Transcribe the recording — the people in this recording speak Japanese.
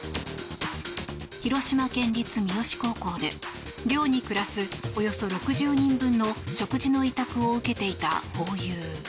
広島県立三次高校で寮に暮らすおよそ６０人分の食事の委託を受けていたホーユー。